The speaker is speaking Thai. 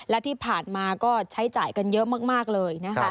และที่ผ่านมาก็ใช้จ่ายกันเยอะมากเลยนะคะ